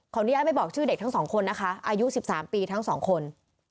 ของนี้ยังไม่บอกชื่อเด็กทั้ง๒คนนะคะอายุ๑๓ปีทั้ง๒คน